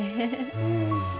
うん。